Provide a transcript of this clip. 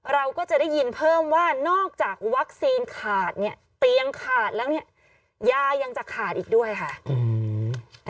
เราก็จะได้ยินเพิ่มว่านอกจากวัคซีนขาดเนี่ยเตียงขาดแล้วเนี่ยยายังจะขาดอีกด้วยค่ะ